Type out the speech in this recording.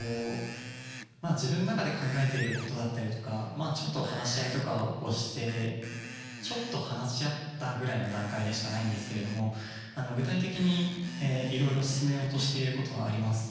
自分の中で考えていることだったりとか、ちょっと話し合いとかをして、ちょっと話し合ったぐらいの段階でしかないんですけれども、具体的にいろいろ進めようとしていることはあります。